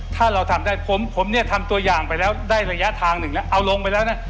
ถ้าเราทำได้ผมผมเนี่ยทำตัวอย่างไปแล้วได้ระยะทางหนึ่งแล้วเอาลงไปแล้วนะ